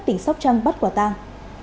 tỉnh sóc trăng bắt quả tang